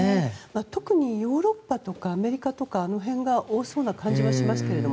特にヨーロッパとかアメリカとか、あの辺が多そうな感じがしますけど。